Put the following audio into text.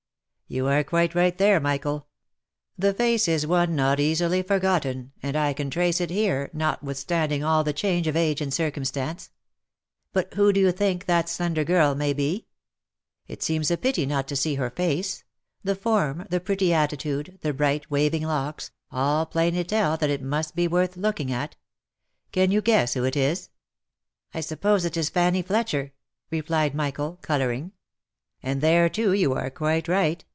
" You are quite right there, Michael. The face is one not easily forgotten, and I can trace it here, notwithstanding all the change of age and circumstance. But who do you think that slender girl may be? It seems a pity not to see her face ; the form, the pretty attitude, the bright waving locks, all plainly tell that it must be worth looking at. Can you guess who it is ?"" I suppose it is Fanny Fletcher," replied Michael, colouring. " And there, too, you are quite right.